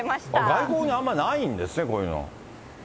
外国にあんまないんですね、こういうの。